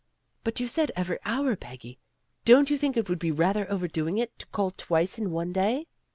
"But you said every hour, Peggy. Don't you think it would be rather over doing it to call twice in one day?"